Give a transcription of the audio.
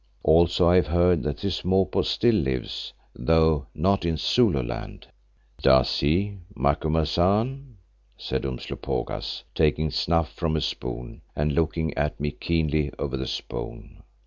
Also I have heard that this Mopo still lives, though not in Zululand." "Does he, Macumazahn?" said Umslopogaas, taking snuff from a spoon and looking at me keenly over the spoon.